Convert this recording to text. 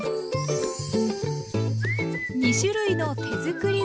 ２種類の手づくり